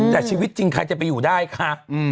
แต่ชีวิตจริงใครจะไปอยู่ได้คะ